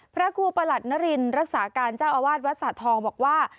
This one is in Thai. พระครูประหลัดนรินรักษาการเจ้าอาวาสวัดสะทองบอกว่า